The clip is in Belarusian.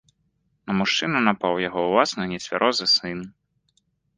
На мужчыну напаў яго ўласны нецвярозы сын.